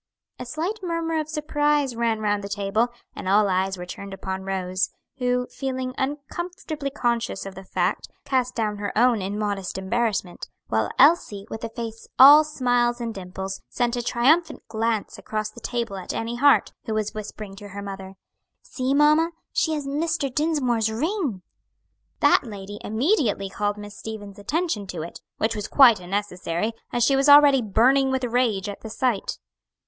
A slight murmur of surprise ran round the table, and all eyes were turned upon Rose, who, feeling uncomfortably conscious of the fact, cast down her own in modest embarrassment, while Elsie, with a face all smiles and dimples, sent a triumphant glance across the table at Annie Hart, who was whispering to her mother, "See, mamma, she has Mr. Dinsmore's ring!" That lady immediately called Miss Stevens' attention to it, which was quite unnecessary, as she was already burning with rage at the sight.